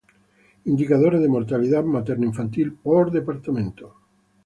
Indicadores de mortalidad materno infantil por departamento